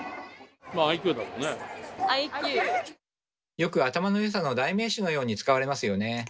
よく「頭のよさ」の代名詞のように使われますよね。